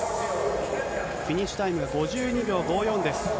フィニッシュタイムが５２秒５４です。